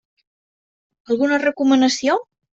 Alguna recomanació?